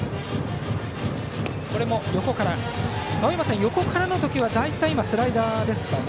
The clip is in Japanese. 青山さん、横からの時は大体スライダーですかね。